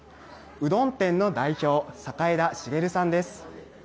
うどん店の代表、坂枝繁さんです。